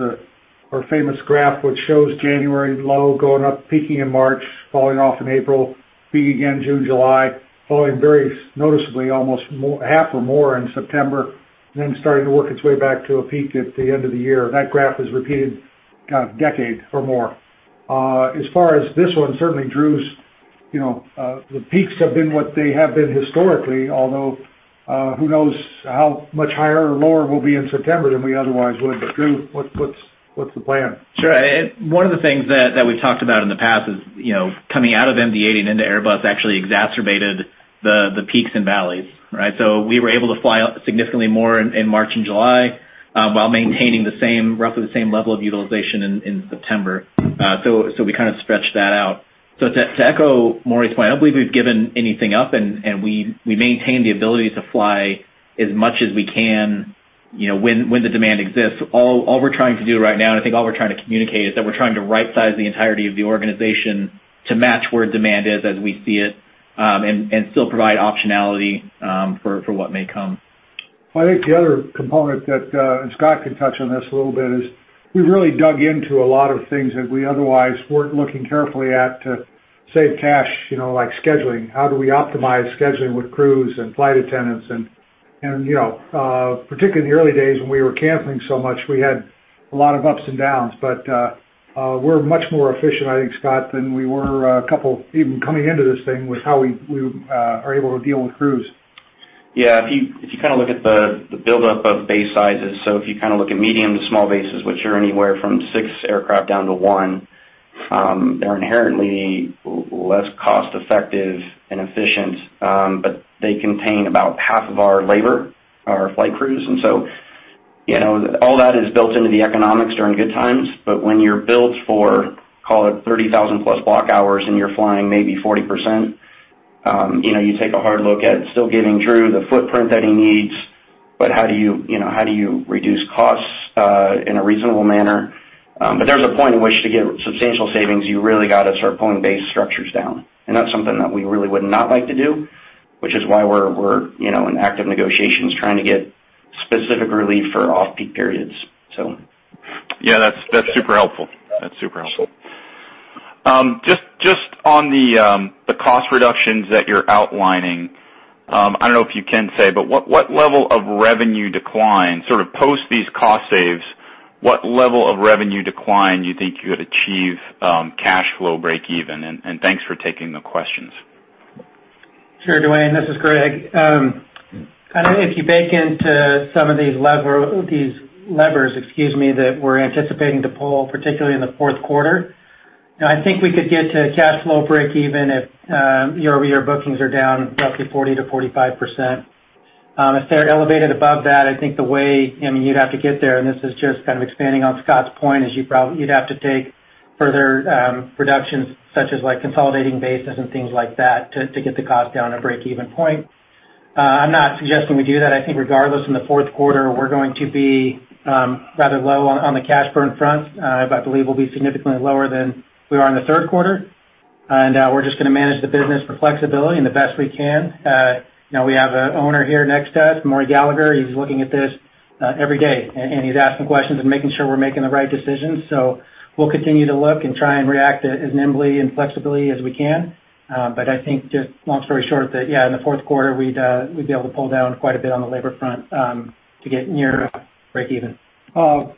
our famous graph which shows January low going up, peaking in March, falling off in April, peak again June, July, falling very noticeably almost half or more in September, and then starting to work its way back to a peak at the end of the year. That graph has repeated decade or more. As far as this one, certainly Drew's, the peaks have been what they have been historically, although, who knows how much higher or lower we'll be in September than we otherwise would. Drew, what's the plan? Sure. One of the things that we've talked about in the past is coming out of MD-80 and into Airbus actually exacerbated the peaks and valleys, right? We were able to fly significantly more in March and July, while maintaining roughly the same level of utilization in September. We kind of stretched that out. To echo Maury's point, I don't believe we've given anything up, and we maintain the ability to fly as much as we can when the demand exists. All we're trying to do right now, and I think all we're trying to communicate is that we're trying to right-size the entirety of the organization to match where demand is as we see it, and still provide optionality for what may come. I think the other component that Scott can touch on this a little bit, is we really dug into a lot of things that we otherwise weren't looking carefully at to save cash, like scheduling. How do we optimize scheduling with crews and flight attendants and particularly in the early days when we were camping so much, we had a lot of ups and downs. We're much more efficient, I think, Scott, than we were a couple, even coming into this thing, with how we are able to deal with crews. Yeah. If you kind of look at the buildup of base sizes, so if you kind of look at medium to small bases, which are anywhere from six aircraft down to one, they're inherently less cost-effective and efficient. They contain about half of our labor, our flight crews. All that is built into the economics during good times. When you're built for, call it 30,000+ block hours and you're flying maybe 40%, you take a hard look at still giving Drew the footprint that he needs, but how do you reduce costs in a reasonable manner? There's a point in which to get substantial savings, you really got to start pulling base structures down. That's something that we really would not like to do, which is why we're in active negotiations trying to get specific relief for off-peak periods, so. Yeah. That's super helpful. Just on the cost reductions that you're outlining, I don't know if you can say, but what level of revenue decline, sort of post these cost saves, what level of revenue decline you think you would achieve cash flow breakeven? Thanks for taking the questions. Sure, Duane. This is Greg. If you bake into some of these levers, excuse me, that we're anticipating to pull, particularly in the fourth quarter, I think I could get to cash flow breakeven if year-over-year bookings are down roughly 40%-45%. If they're elevated above that, I think the way you'd have to get there, and this is just kind of expanding on Scott's point, is you'd have to take further reductions, such as like consolidating bases and things like that to get the cost down to breakeven point. I'm not suggesting we do that. I think regardless, in the fourth quarter, we're going to be rather low on the cash burn front. I believe we'll be significantly lower than we are in the third quarter. We're just going to manage the business for flexibility and the best we can. We have an owner here next to us, Maury Gallagher. He's looking at this every day, and he's asking questions and making sure we're making the right decisions. We'll continue to look and try and react as nimbly and flexibly as we can. I think just long story short, that, yeah, in the fourth quarter, we'd be able to pull down quite a bit on the labor front to get near breakeven.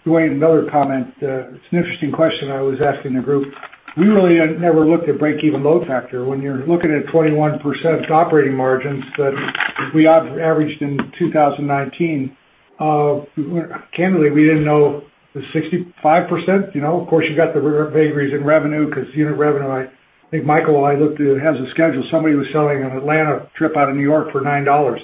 Duane, another comment. It's an interesting question I was asking the group. We really never looked at breakeven load factor. When you're looking at 21% operating margins that we averaged in 2019, candidly, we didn't know the 65%. Of course, you got the vagaries in revenue because unit revenue, I think Michael and I looked at it, has a schedule. Somebody was selling an Atlanta trip out of New York for $9.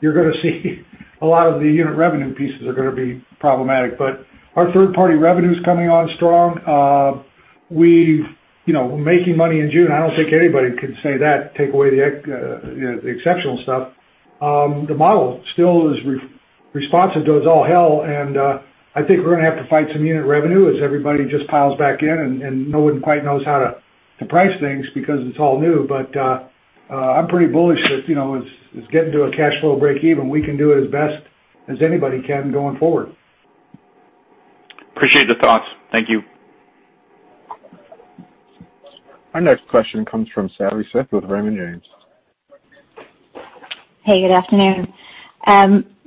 You're going to see a lot of the unit revenue pieces are going to be problematic. Our third-party revenue's coming on strong. We're making money in June. I don't think anybody can say that, take away the exceptional stuff. The model still is responsive to those all hell, and I think we're going to have to fight some unit revenue as everybody just piles back in, and no one quite knows how to price things because it's all new. I'm pretty bullish that it's getting to a cash flow break even. We can do it as best as anybody can going forward. Appreciate the thoughts. Thank you. Our next question comes from Savi Syth with Raymond James. Hey, good afternoon.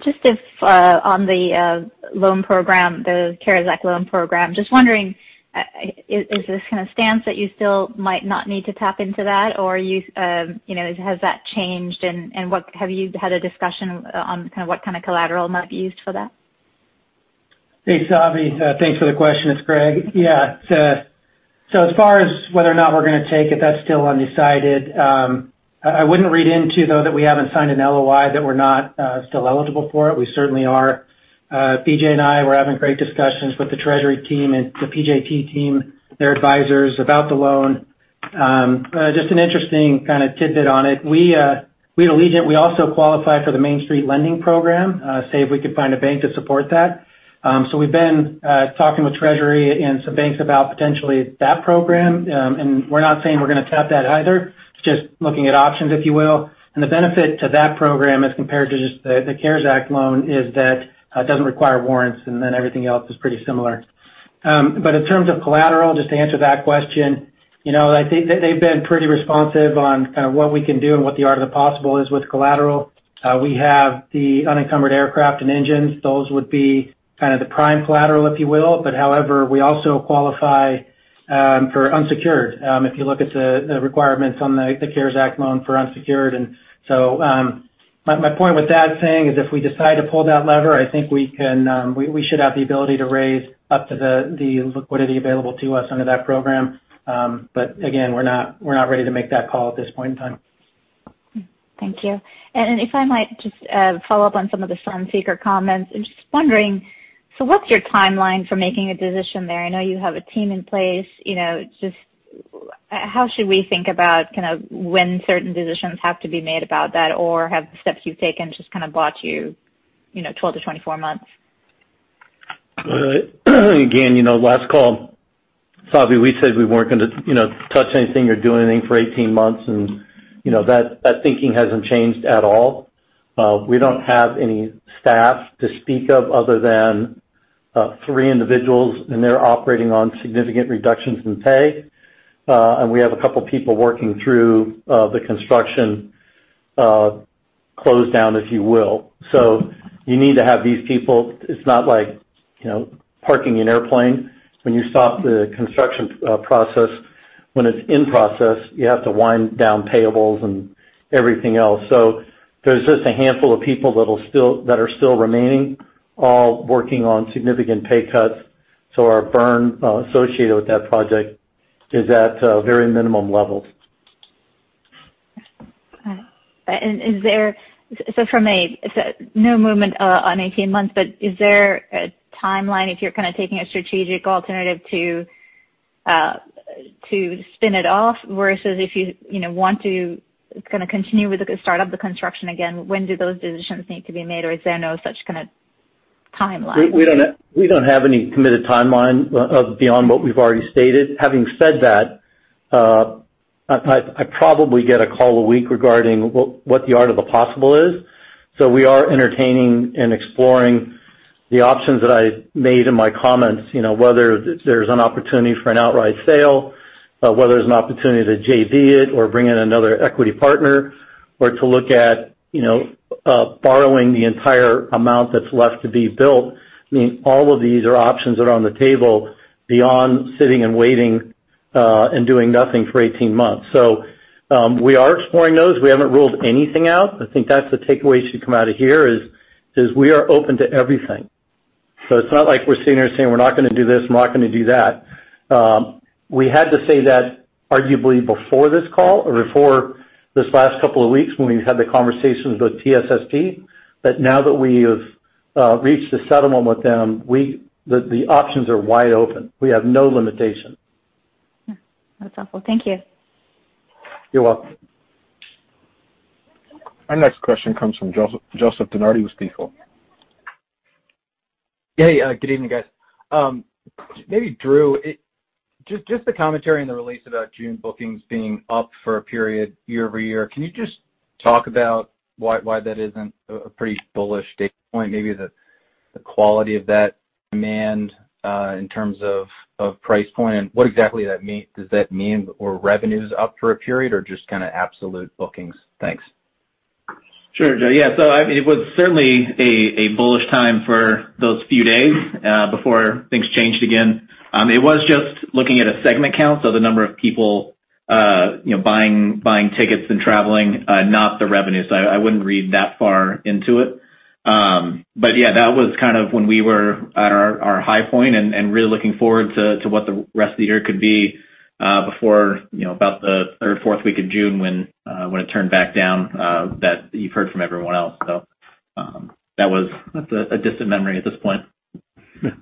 Just on the loan program, the CARES Act loan program, just wondering, is this kind of stance that you still might not need to tap into that, or has that changed, and have you had a discussion on what kind of collateral might be used for that? Hey, Savi. Thanks for the question. It's Greg. As far as whether or not we're going to take it, that's still undecided. I wouldn't read into, though, that we haven't signed an LOI that we're not still eligible for it. We certainly are. BJ and I were having great discussions with the Treasury team and the PJT team, their advisors, about the loan. Just an interesting kind of tidbit on it. We at Allegiant, we also qualify for the Main Street Lending Program, if we could find a bank to support that. We've been talking with Treasury and some banks about potentially that program, and we're not saying we're going to tap that either. It's just looking at options, if you will. The benefit to that program as compared to just the CARES Act loan is that it doesn't require warrants, everything else is pretty similar. In terms of collateral, just to answer that question, they've been pretty responsive on kind of what we can do and what the art of the possible is with collateral. We have the unencumbered aircraft and engines. Those would be kind of the prime collateral, if you will. However, we also qualify for unsecured, if you look at the requirements on the CARES Act loan for unsecured. My point with that saying is if we decide to pull that lever, I think we should have the ability to raise up to the liquidity available to us under that program. Again, we're not ready to make that call at this point in time. Thank you. If I might just follow up on some of the Sunseeker comments. I'm just wondering, so what's your timeline for making a decision there? I know you have a team in place. Just how should we think about when certain decisions have to be made about that? Have the steps you've taken just kind of bought you 12-24 months? Again, last call, Savi, we said we weren't going to touch anything or do anything for 18 months, and that thinking hasn't changed at all. We don't have any staff to speak of other than three individuals, and they're operating on significant reductions in pay. We have a couple of people working through the construction close down, if you will. You need to have these people. When you stop the construction process, when it's in process, you have to wind down payables and everything else. There's just a handful of people that are still remaining, all working on significant pay cuts. Our burn associated with that project is at very minimum levels. Got it. From a no movement on 18 months, is there a timeline if you're kind of taking a strategic alternative to spin it off versus if you want to kind of continue with the startup, the construction again, when do those decisions need to be made, or is there no such kind of timeline? We don't have any committed timeline beyond what we've already stated. Having said that, I probably get a call a week regarding what the art of the possible is. We are entertaining and exploring the options that I made in my comments, whether there's an opportunity for an outright sale, whether there's an opportunity to JV it or bring in another equity partner, or to look at borrowing the entire amount that's left to be built. I mean, all of these are options that are on the table beyond sitting and waiting and doing nothing for 18 months. We are exploring those. We haven't ruled anything out. I think that's the takeaway should come out of here is we are open to everything. It's not like we're sitting here saying, "We're not going to do this, we're not going to do that." We had to say that arguably before this call or before this last couple of weeks when we had the conversations with TSSP, but now that we have reached the settlement with them, the options are wide open. We have no limitation. That's helpful. Thank you. You're welcome. Our next question comes from Joseph DeNardi with Stifel. Hey. Good evening, guys. Maybe Drew, just the commentary in the release about June bookings being up for a period year-over-year, can you just talk about why that isn't a pretty bullish data point? Maybe the quality of that demand in terms of price point, what exactly does that mean? Revenue's up for a period or just kind of absolute bookings? Thanks. Sure, Joe. Yeah, it was certainly a bullish time for those few days before things changed again. It was just looking at a segment count, so the number of people buying tickets and traveling, not the revenue. I wouldn't read that far into it. Yeah, that was kind of when we were at our high point and really looking forward to what the rest of the year could be before about the third, fourth week of June when it turned back down that you've heard from everyone else, so. That was a distant memory at this point.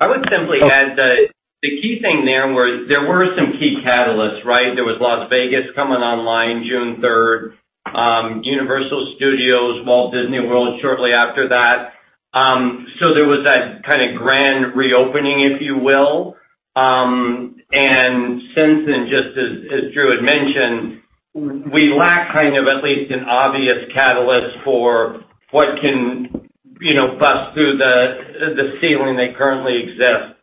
I would simply add that the key thing there was there were some key catalysts, right? There was Las Vegas coming online June 3rd, Universal Studios, Walt Disney World shortly after that. There was that kind of grand reopening, if you will. Since then, just as Drew had mentioned, we lack kind of at least an obvious catalyst for what can bust through the ceiling that currently exists.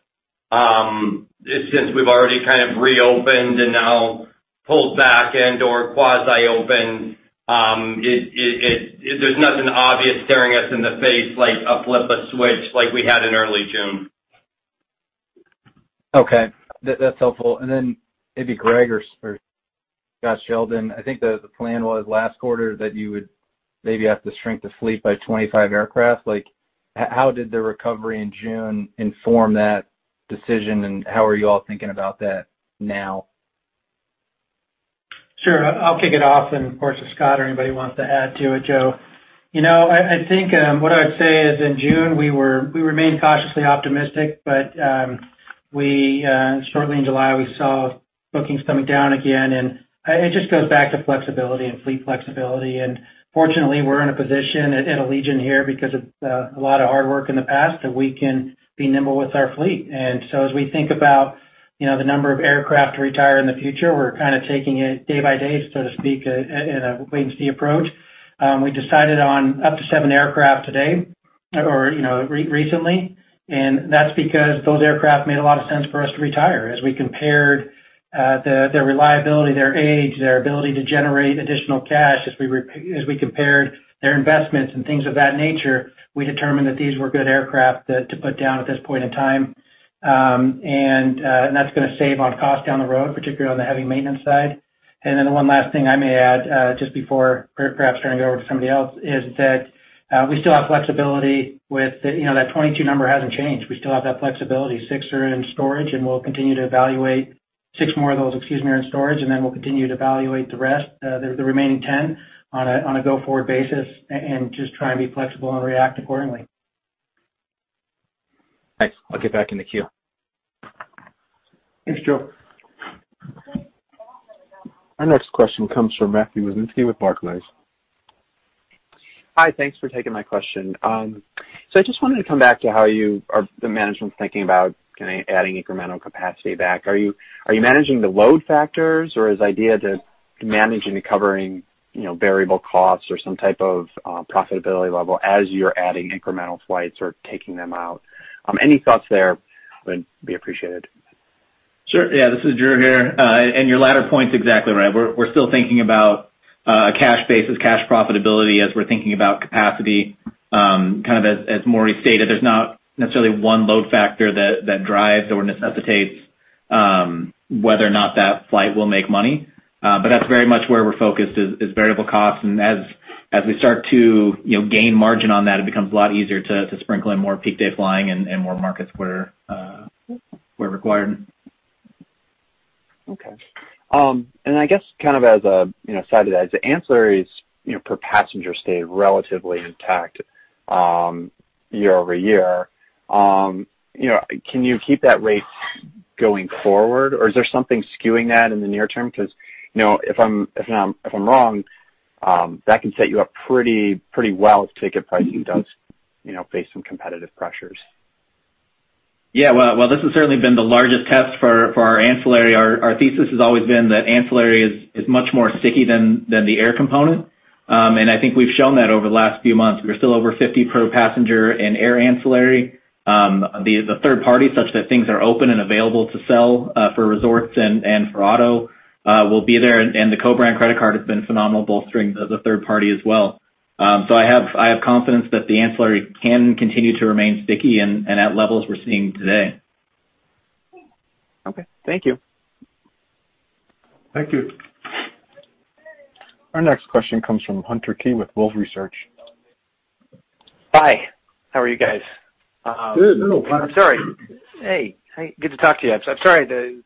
Since we've already kind of reopened and now pulled back and/or quasi-opened, there's nothing obvious staring us in the face, like a flip a switch like we had in early June. Okay. That's helpful. Maybe Greg or Scott Sheldon, I think the plan was last quarter that you would maybe have to shrink the fleet by 25 aircraft. How did the recovery in June inform that decision, and how are you all thinking about that now? Sure. I'll kick it off. Of course, if Scott or anybody wants to add to it, Joe. I think what I would say is in June, we remained cautiously optimistic. Shortly in July, we saw bookings coming down again. It just goes back to flexibility and fleet flexibility. Fortunately, we're in a position at Allegiant here, because of a lot of hard work in the past, that we can be nimble with our fleet. As we think about the number of aircraft to retire in the future, we're kind of taking it day by day, so to speak, in a wait and see approach. We decided on up to seven aircraft today or recently. That's because those aircraft made a lot of sense for us to retire. As we compared their reliability, their age, their ability to generate additional cash, as we compared their investments and things of that nature, we determined that these were good aircraft to put down at this point in time. That's going to save on cost down the road, particularly on the heavy maintenance side. The one last thing I may add, just before perhaps turning it over to somebody else, is that we still have flexibility with that 22 number hasn't changed. We still have that flexibility. Six are in storage, and we'll continue to evaluate six more of those, excuse me, are in storage, and then we'll continue to evaluate the rest, the remaining 10, on a go-forward basis and just try and be flexible and react accordingly. Thanks. I'll get back in the queue. Thanks, Joe. Our next question comes from Matthew Wisniewski with Barclays. Hi. Thanks for taking my question. I just wanted to come back to how the management's thinking about kind of adding incremental capacity back. Are you managing the load factors, or is the idea to manage and recovering variable costs or some type of profitability level as you're adding incremental flights or taking them out? Any thoughts there would be appreciated. Sure, yeah. This is Drew here. Your latter point's exactly right. We're still thinking about a cash basis, cash profitability as we're thinking about capacity. Kind of as Maury stated, there's not necessarily one load factor that drives or necessitates whether or not that flight will make money. That's very much where we're focused is variable costs. As we start to gain margin on that, it becomes a lot easier to sprinkle in more peak day flying and more markets where required. Okay. I guess kind of as a side of that, as the ancillaries per passenger stayed relatively intact year-over-year, can you keep that rate going forward, or is there something skewing that in the near term? If I'm wrong, that can set you up pretty well if ticket pricing does face some competitive pressures. Well, this has certainly been the largest test for our ancillary. Our thesis has always been that ancillary is much more sticky than the air component. I think we've shown that over the last few months. We're still over $50 per passenger in air ancillary. The third party, such that things are open and available to sell for resorts and for auto will be there, and the co-branded credit card has been phenomenal, bolstering the third party as well. I have confidence that the ancillary can continue to remain sticky and at levels we're seeing today. Okay. Thank you. Thank you. Our next question comes from Hunter Keay with Wolfe Research. Hi, how are you guys? Good. I'm sorry. Hey, good to talk to you. I'm sorry. The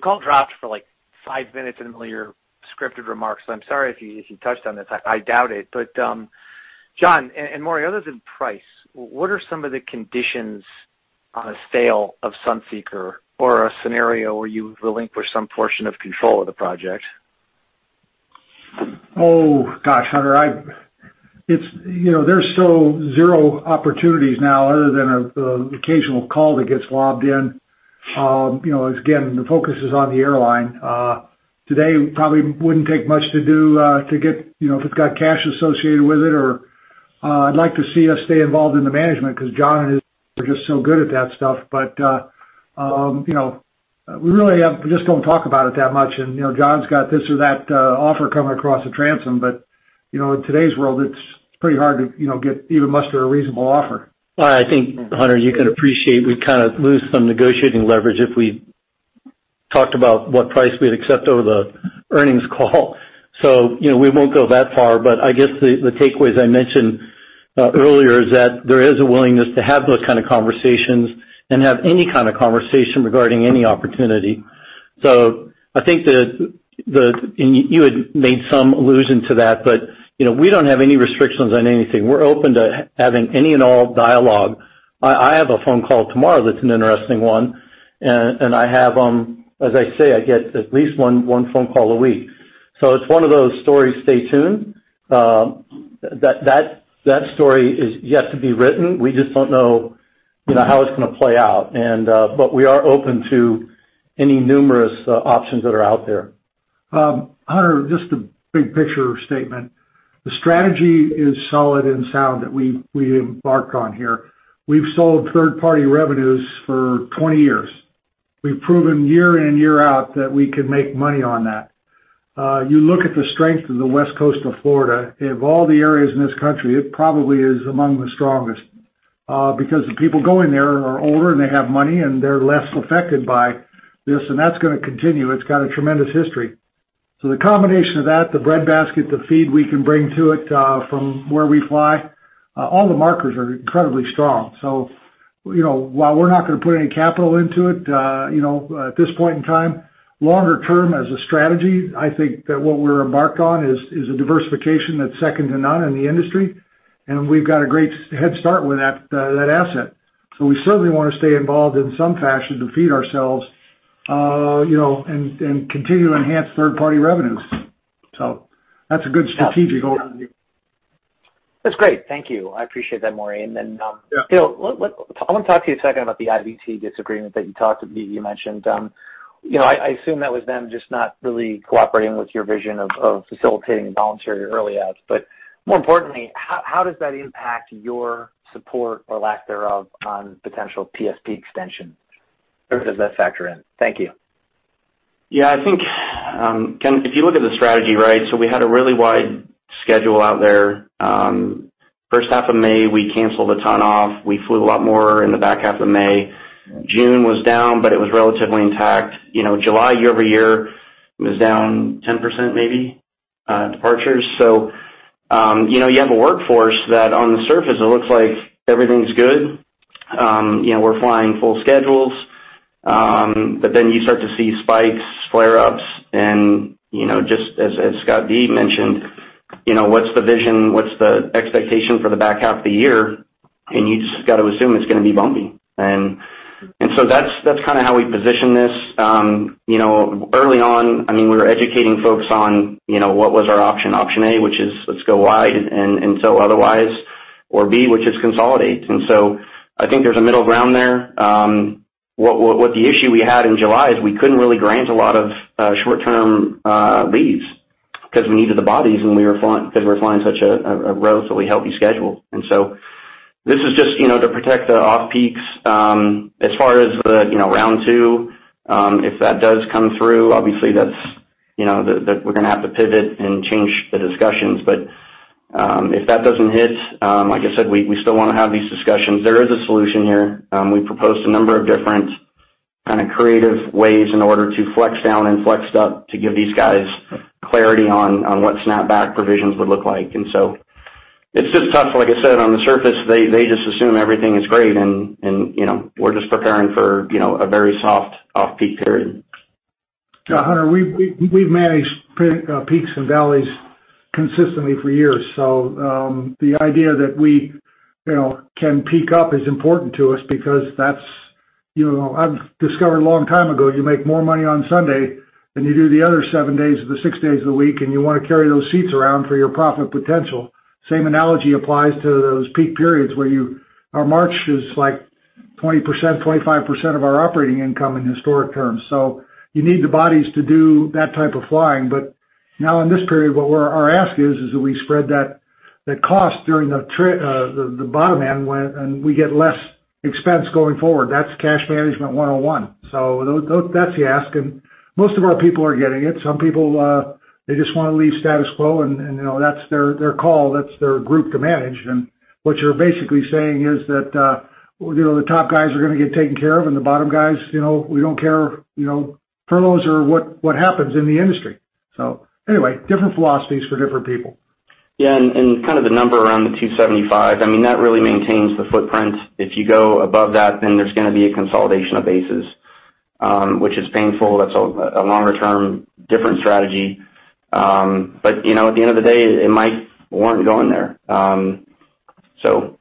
call dropped for, like, five minutes into your scripted remarks, so I'm sorry if you touched on this. I doubt it. John and Maury, other than price, what are some of the conditions on a sale of Sunseeker or a scenario where you relinquish some portion of control of the project? Oh, gosh, Hunter. There's so zero opportunities now other than an occasional call that gets lobbed in. The focus is on the airline. Today, probably wouldn't take much to do to get if it's got cash associated with it, or I'd like to see us stay involved in the management because John and his are just so good at that stuff. We really just don't talk about it that much. John's got this or that offer coming across the transom, but in today's world, it's pretty hard to get even much of a reasonable offer. I think, Hunter, you can appreciate we kind of lose some negotiating leverage if we talked about what price we'd accept over the earnings call. We won't go that far, but I guess the takeaway, as I mentioned earlier, is that there is a willingness to have those kind of conversations and have any kind of conversation regarding any opportunity. You had made some allusion to that, but we don't have any restrictions on anything. We're open to having any and all dialogue. I have a phone call tomorrow that's an interesting one. I have, as I say, I get at least one phone call a week. It's one of those stories, stay tuned. That story is yet to be written. We just don't know how it's going to play out, but we are open to any numerous options that are out there. Hunter, just a big picture statement. The strategy is solid and sound that we embark on here. We've sold third-party revenues for 20 years. We've proven year in, year out that we can make money on that. You look at the strength of the West Coast of Florida, of all the areas in this country, it probably is among the strongest. The people going there are older and they have money and they're less affected by this, and that's going to continue. It's got a tremendous history. The combination of that, the breadbasket, the feed we can bring to it from where we fly, all the markers are incredibly strong. While we're not going to put any capital into it at this point in time, longer term as a strategy, I think that what we're embarked on is a diversification that's second to none in the industry, and we've got a great head start with that asset. We certainly want to stay involved in some fashion to feed ourselves, and continue to enhance third-party revenues. That's a good strategic overview. That's great. Thank you. I appreciate that, Maury. Yeah. Phil, I want to talk to you a second about the IBT disagreement that you mentioned. I assume that was them just not really cooperating with your vision of facilitating voluntary early outs. More importantly, how does that impact your support or lack thereof on potential PSP extension? Where does that factor in? Thank you. Yeah, I think, Keay, if you look at the strategy, right? We had a really wide schedule out there. First half of May, we canceled a ton off. We flew a lot more in the back half of May. June was down, but it was relatively intact. July, year-over-year, was down 10%, maybe, departures. You have a workforce that on the surface it looks like everything's good. We're flying full schedules. You start to see spikes, flare-ups, and just as Scott D mentioned, what's the vision, what's the expectation for the back half of the year? You just got to assume it's going to be bumpy. That's kind of how we position this. Early on, we were educating folks on what was our option. Option A, which is let's go wide and sell otherwise, or B, which is consolidate. I think there's a middle ground there. What the issue we had in July is we couldn't really grant a lot of short-term leaves because we needed the bodies because we were flying such a relatively healthy schedule. This is just to protect the off-peaks. As far as the round two, if that does come through, obviously that's, we're going to have to pivot and change the discussions. If that doesn't hit, like I said, we still want to have these discussions. There is a solution here. We proposed a number of different kind of creative ways in order to flex down and flex up to give these guys clarity on what snapback provisions would look like. It's just tough. Like I said, on the surface, they just assume everything is great and we're just preparing for a very soft off-peak period. Yeah, Hunter, we've managed peaks and valleys consistently for years. The idea that we can peak up is important to us because I've discovered a long time ago, you make more money on Sunday than you do the other seven days or the six days of the week, and you want to carry those seats around for your profit potential. Same analogy applies to those peak periods where our March is like 20%, 25% of our operating income in historic terms. You need the bodies to do that type of flying. Now in this period, what our ask is that we spread that cost during the bottom end and we get less expense going forward. That's cash management 101. That's the ask, and most of our people are getting it. Some people, they just want to leave status quo, and that's their call, that's their group to manage. What you're basically saying is that the top guys are going to get taken care of and the bottom guys, we don't care. Furloughs are what happens in the industry. Anyway, different philosophies for different people. Kind of the number around the 275, that really maintains the footprint. If you go above that, there's going to be a consolidation of bases, which is painful. That's a longer-term different strategy. At the end of the day, it might warrant going there.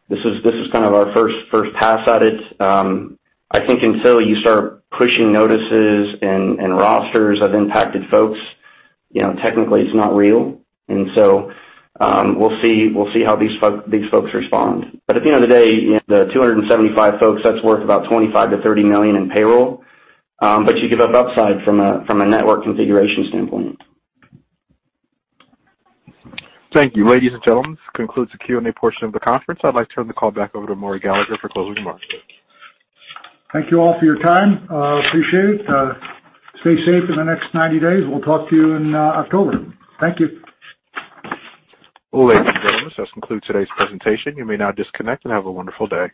This is kind of our first pass at it. I think until you start pushing notices and rosters of impacted folks, technically it's not real. We'll see how these folks respond. At the end of the day, the 275 folks, that's worth about $25 million-$30 million in payroll. You give up upside from a network configuration standpoint. Thank you. Ladies and gentlemen, this concludes the Q&A portion of the conference. I'd like to turn the call back over to Maury Gallagher for closing remarks. Thank you all for your time. Appreciate it. Stay safe in the next 90 days. We'll talk to you in October. Thank you. Ladies and gentlemen, this concludes today's presentation. You may now disconnect, and have a wonderful day.